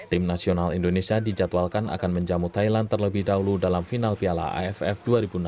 tim nasional indonesia dijadwalkan akan menjamu thailand terlebih dahulu dalam final piala aff dua ribu enam belas